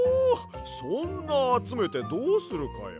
そんなあつめてどうするかや？